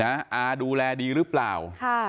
นะอาดูแลดีหรือเปล่าค่ะ